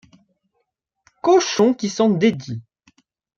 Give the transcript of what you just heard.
Cochon qui s’en dédit!